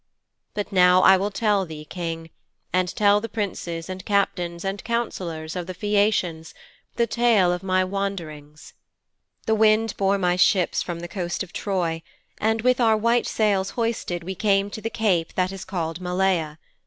But now I will tell thee, King, and tell the Princes and Captains and Councillors of the Phæacians, the tale of my wanderings.' 'The wind bore my ships from the coast of Troy, and with our white sails hoisted we came to the cape that is called Malea.